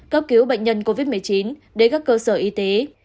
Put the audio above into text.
cấp cứu bệnh nhân covid một mươi chín đến các cơ sở y tế